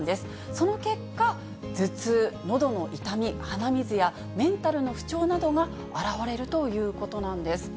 その結果、頭痛、のどの痛み、鼻水やメンタルの不調などが現れるということなんです。